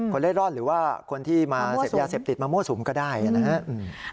เล่ร่อนหรือว่าคนที่มาเสพยาเสพติดมามั่วสุมก็ได้นะครับ